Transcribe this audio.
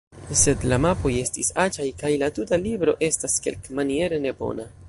Sed la mapoj estis aĉaj kaj la tuta libro estas kelkmaniere nebona.